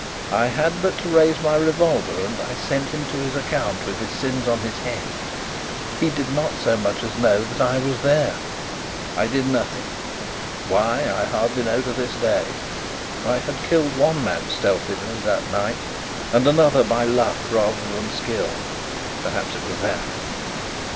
I had but to raise my revolver, and I sent him to his account with his sins on his head. He did not so much as know that I was there. I did nothing why, I hardly know to this day. I had killed one man stealthily that night, and another by luck rather than skill perhaps it was that.